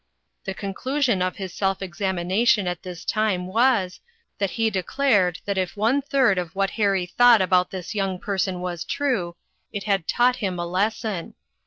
The conclusion of his self examination at this time was, that he declared that if one third of what Harry thought about this young person was true, it had taught him a lesson.